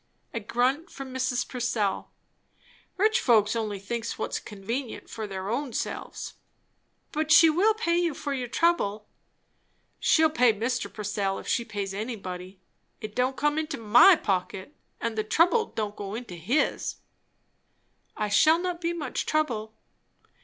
A grunt from Mrs. Purcell. "Rich folks only thinks what's convenient for their own selves!" "But she will pay you for your trouble." "She'll pay Mr. Purcell, if she pays anybody. It don't come into my pocket, and the trouble don't go into his'n." "I shall not be much trouble."